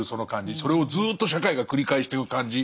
それをずっと社会が繰り返してく感じ。